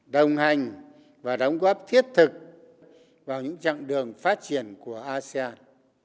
đồng hành và đóng góp thiết thực vào những chặng đường phát triển của asean